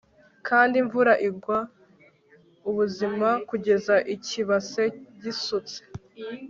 Kandi imvura igwa ubuzima kugeza ikibase gisutse